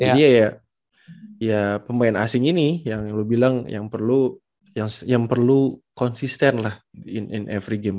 jadi ya pemain asing ini yang lu bilang yang perlu konsisten lah in every game